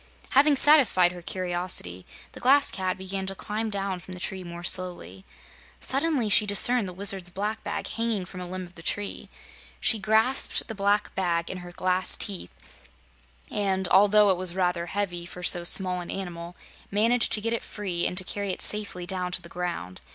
Having satisfied her curiosity, the Glass Cat began to climb down from the tree more slowly. Suddenly she discerned the Wizard's black bag hanging from a limb of the tree. She grasped the black bag in her glass teeth, and although it was rather heavy for so small an animal, managed to get it free and to carry it safely down to the ground.